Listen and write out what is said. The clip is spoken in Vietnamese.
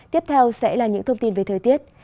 tiếp theo sẽ là những thông tin về thời tiết